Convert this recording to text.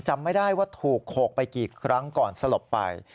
จำไม่ได้ว่าถูกโขกไปกี่ครั้งก่อนสลบไป